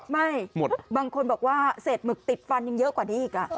บางคนบอกว่าเศษหมึกติดฟันยังเยอะกว่านี้อีก